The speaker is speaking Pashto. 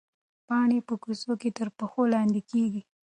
پاڼې په کوڅو کې تر پښو لاندې کېږي.